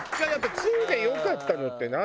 ２で良かったのって何？